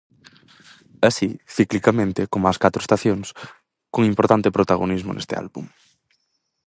Así, ciclicamente, como as catro estacións, con importante protagonismo neste álbum.